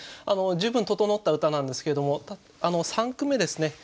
十分整った歌なんですけども三句目ですね